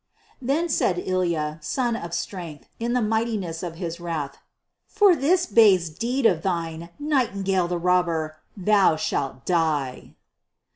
Then said Ilya, son of strength, in the mightiness of his wrath, "For this base deed of thine, Nightingale the Robber, thou shalt die!"